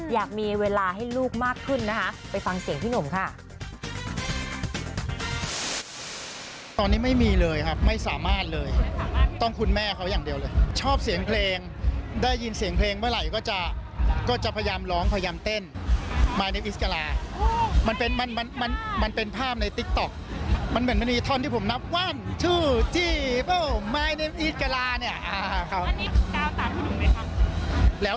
อยากมีเวลาให้ลูกมากขึ้นนะคะไปฟังเสียงพี่หนุ่มค่ะ